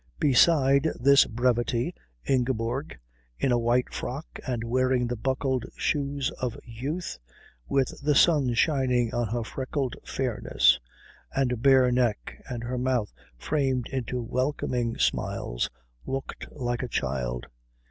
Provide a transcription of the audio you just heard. Beside this brevity Ingeborg, in a white frock and wearing the buckled shoes of youth, with the sun shining on her freckled fairness and bare neck and her mouth framed into welcoming smiles, looked like a child.